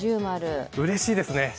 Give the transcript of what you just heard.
うれしいですね